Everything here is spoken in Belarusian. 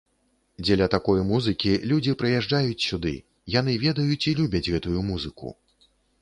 Дзеля такой музыкі людзі прыязджаюць сюды, яны ведаюць і любяць гэтую музыку.